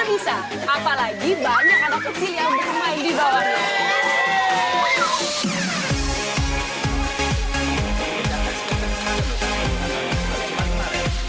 bisa apalagi banyak anak kecil yang bermain di bawah